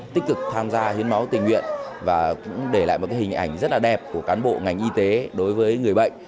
tích cực tham gia hiến máu tình nguyện và cũng để lại một hình ảnh rất là đẹp của cán bộ ngành y tế đối với người bệnh